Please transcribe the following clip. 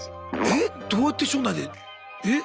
えっ⁉どうやって所内でえ？